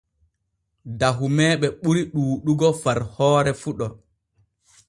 Dahumeeɓe ɓuri ɗuuɗugo far hoore fuɗo.